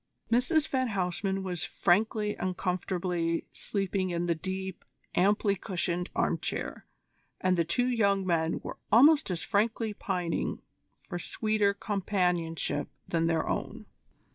Mrs van Huysman was frankly and comfortably sleeping in the deep, amply cushioned armchair, and the two young men were almost as frankly pining for sweeter companionship than their own.